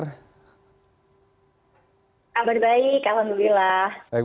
kabar baik alhamdulillah